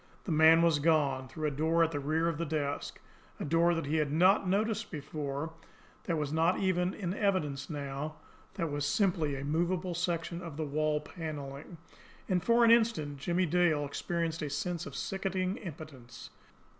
The man was gone through a door at the rear of the desk, a door that he had not noticed before, that was not even in evidence now, that was simply a movable section of the wall panelling and for an instant Jimmie Dale experienced a sense of sickening impotence.